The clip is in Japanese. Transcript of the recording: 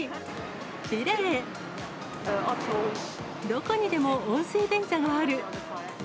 どこにでも温水便座がある。